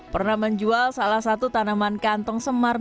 pernah menjual salah satu tanaman kantong semar